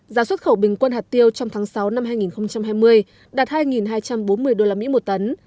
giá xuất khẩu bình quân hạt tiêu trong tháng sáu năm hai nghìn hai mươi đạt hai hai trăm bốn mươi usd một tấn